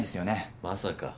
まさか。